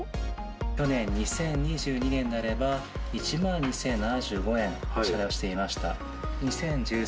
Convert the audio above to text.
去年・２０２２年は１万２０７５円、お支払いをしていました。